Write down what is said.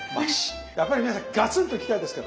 やっぱり皆さんガツンといきたいですからね。